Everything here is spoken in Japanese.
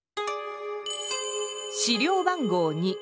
資料番号２。